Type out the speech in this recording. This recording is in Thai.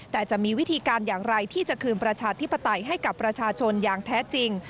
แต่จะมีวิธีการอย่างไรที่จะคืนประชาธิปไตยให้กับประชาชนอย่างแท้จริง